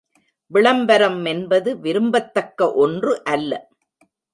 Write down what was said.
விளம்பரம் என்பது விரும்பத்தக்க ஒன்று அல்ல.